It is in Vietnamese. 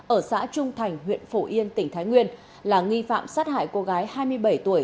ở xã trung thành huyện phổ yên tỉnh thái nguyên là nghi phạm sát hại cô gái hai mươi bảy tuổi